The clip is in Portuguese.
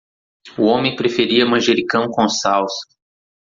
O homem preferia manjericão com salsa.